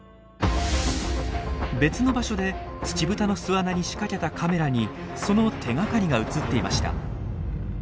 別の場所でツチブタの巣穴に仕掛けたカメラにその手がかりが映っていました。